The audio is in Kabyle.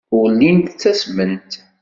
Ur llint ttasment.